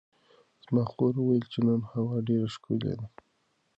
زما خور وویل چې نن هوا ډېره ښکلې ده.